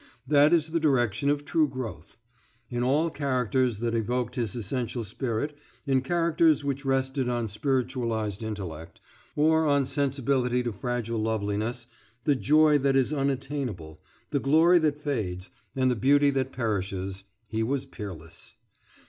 That is the direction of true growth. In all characters that evoked his essential spirit in characters which rested on spiritualised intellect, or on sensibility to fragile loveliness, the joy that is unattainable, the glory that fades, and the beauty that perishes he was peerless.